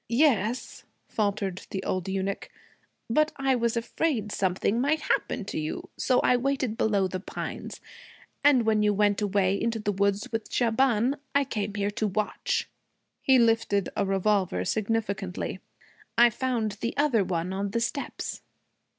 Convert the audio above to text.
'Yes,' faltered the old eunuch, 'but I was afraid something might happen to you. So I waited below the pines. And when you went away into the woods with Shaban, I came here to watch.' He lifted a revolver significantly. 'I found the other one on the steps.'